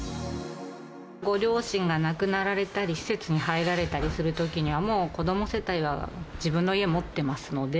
ご両親が亡くなられたり、施設に入られたりするときにはもう子ども世帯は、自分の家持ってますので。